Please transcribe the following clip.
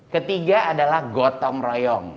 ketiga adalah gotong royong